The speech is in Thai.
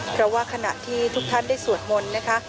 เพราะว่าขณะที่ทุกท่านได้สวดมนต์นะคะ